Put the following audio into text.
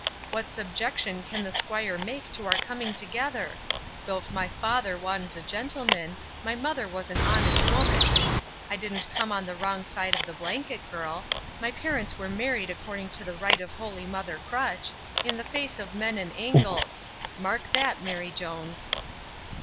What subjection can the 'squire make to our coming together Thof my father wan't a gentleman, my mother was an honest woman I didn't come on the wrong side of the blanket, girl My parents were marred according to the right of holy mother crutch, in the face of men and angles Mark that, Mary Jones.